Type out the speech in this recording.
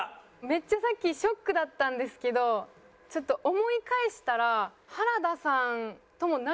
めっちゃさっきショックだったんですけどちょっと思い返したら原田さんとも仲いいんですよ。